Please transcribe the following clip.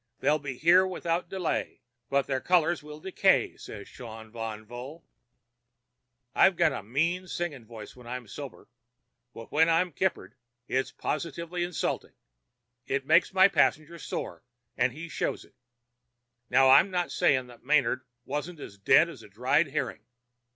They'll be here without delay. 'But their colors will decay,' said the Shaun Van Vocht." "I've got a mean singing voice when I'm sober, but when I'm kippered it's positively insulting. It makes my passenger sore, and he shows it. Now, I'm not saying that Manard wasn't as dead as a dried herring.